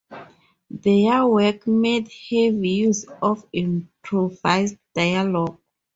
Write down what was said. Their work made heavy use of improvised dialogue.